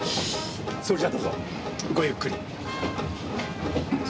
それじゃどうぞごゆっくり。